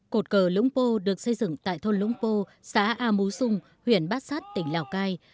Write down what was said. cột cờ lũng pô được xây dựng tại thôn lũng pô xã a mú xung huyện bát sát tỉnh lào cai